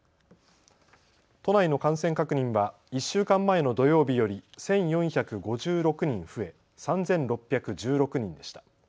都内の感染確認は１週間前の土曜日より１４５６人増え３６１６人でした。